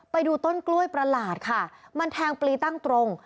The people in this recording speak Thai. ไปดูต้นกล้วยประหลาดค่ะมันแทงปลีตั้งตรง